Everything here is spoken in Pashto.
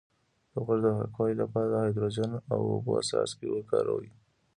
د غوږ د پاکوالي لپاره د هایدروجن او اوبو څاڅکي وکاروئ